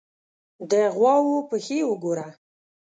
_د غواوو پښې وګوره!